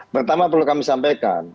pertama perlu kami sampaikan